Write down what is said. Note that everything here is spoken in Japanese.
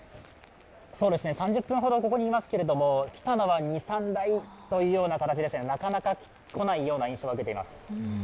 ３０分ほどここにいますけれども、来たのは２３台という形で、なかなか来ないような印象を受けています。